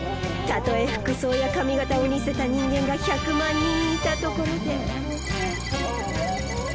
たとえ服装や髪形を似せた人間が１００万人いたところで。